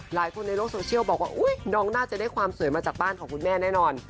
หลายคนในโลกโซเชียลบอกว่าน้องน่าจะได้ความสวยมาจากบ้านของคุณแม่แน่นอน